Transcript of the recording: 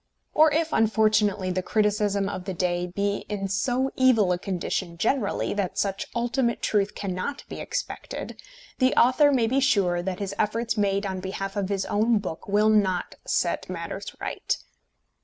Or if, unfortunately, the criticism of the day be in so evil a condition generally that such ultimate truth cannot be expected, the author may be sure that his efforts made on behalf of his own book will not set matters right.